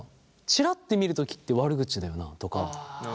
チラッて見るときって悪口だよなとか。